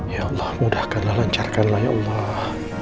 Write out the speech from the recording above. ya allah mudahkanlah lancarkanlah ya allah